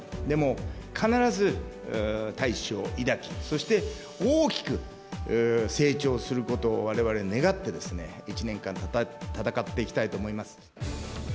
でも、必ず大志を抱き、そして大きく成長することをわれわれ願って、１年間戦っていきたいと思います。